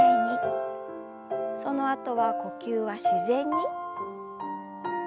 そのあとは呼吸は自然に。